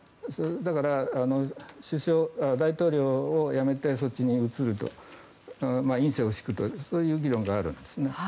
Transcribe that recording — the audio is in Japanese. だから大統領を辞めてそっちに移ると院政を敷くそういう議論があるんですね。